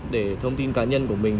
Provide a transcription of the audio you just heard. để thông tin cá nhân của mình